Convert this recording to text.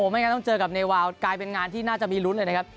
ไม่งั้นต้องเจอกับเนวาวกลายเป็นงานที่น่าจะมีลุ้นเลยนะครับ